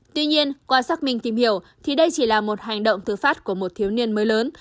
tuy nhiên qua xác minh tìm hiểu thì đây chỉ là một hành động thứ phát của một thiếu niên mới lớn